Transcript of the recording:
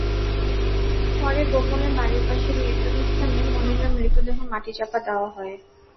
পরে গোপনে বাড়ির পাশের নির্জন স্থানে মনিরার মৃতদেহ মাটিচাপা দেওয়া হয়।